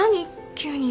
急に。